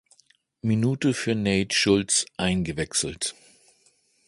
Minute für Nate Shultz eingewechselt.